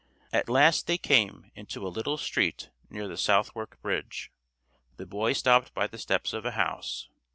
At last they came into a little street near the Southwark Bridge. The boy stopped by the steps of a house.